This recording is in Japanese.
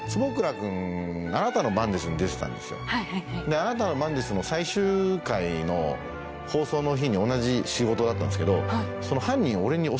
『あなたの番です』の最終回の放送の日に同じ仕事だったんですけど。